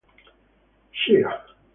Shea Ili